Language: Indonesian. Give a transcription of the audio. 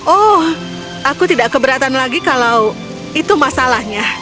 oh aku tidak keberatan lagi kalau itu masalahnya